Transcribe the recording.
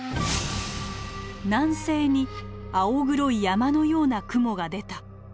「南西に青黒い山のような雲が出た」。